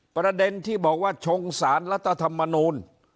ประเด็นที่บอกว่าชงสารรัฐธรรมนูล